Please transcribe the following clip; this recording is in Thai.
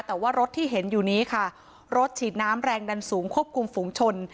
แต่ว่ารถที่เห็นอยู่นี้ค่ะรถฉีดน้ำแรงดันสูงควบคุมฝูงชน